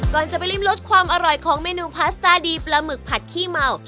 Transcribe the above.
ก่อนจะไปริมรสความอร่อยของเมนูพาสตาร์ดีปลาหมึกผัดขี้เมา